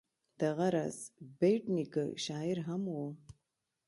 دغه راز بېټ نیکه شاعر هم و.